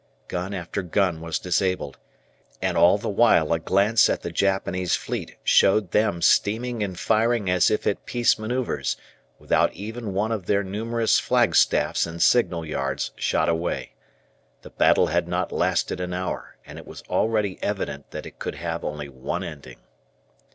Gun after gun was disabled. And all the while a glance at the Japanese fleet showed them steaming and firing as if at peace manoeuvres, without even one of their numerous flagstaffs and signal yards shot away. The battle had not lasted an hour, and it was already evident that it could have only one ending.